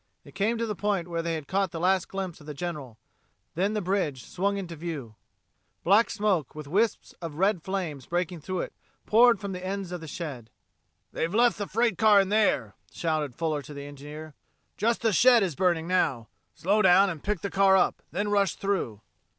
They came to the point where they had caught the last glimpse of the General; then the bridge swung into view. Black smoke, with wisps of red flames breaking through it, poured from the ends of the shed. "They've left the freight car in there," shouted Fuller to the engineer. "Just the shed is burning now. Slow down and pick the car up, then rush on through."